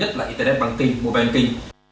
nhất là internet banking mobile banking